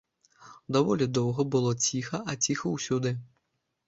Даволі доўга было ціха а ціха ўсюды.